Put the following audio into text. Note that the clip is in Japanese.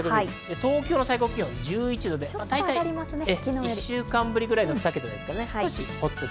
東京の最高気温は１１度くらい、１週間ぶりの２桁ですね。